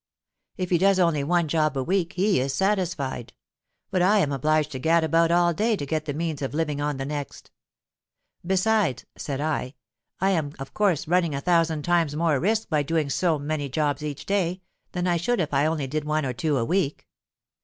If he does only one job a week, he is satisfied: but I am obliged to gad about all day to get the means of living on the next. Besides,' said I, 'I am of course running a thousand times more risks by doing so many jobs each day, than I should if I only did one or two a week.'